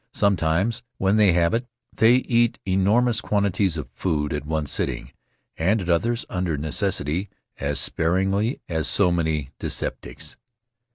Sometimes, when they have it, they eat enormous quantities of food at one sitting, and at others, under necessity, as sparingly as so many dyspeptics.